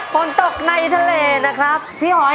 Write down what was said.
พอเธอพอยิ่งเสียใจ